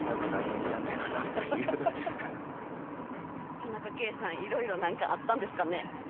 田中圭さん、いろいろ何かあったんですかね。